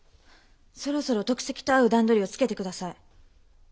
そろそろ得石と会う段取りをつけて下さい。